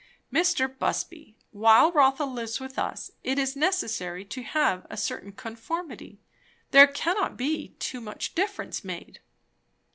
"Mr. Busby, while Rotha lives with us, it is necessary to have a certain conformity there cannot be too much difference made."